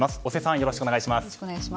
よろしくお願いします。